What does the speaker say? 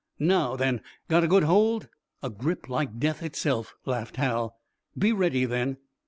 Now, then, got a good hold?" "A grip like death itself," laughed Hal. "Be ready, then."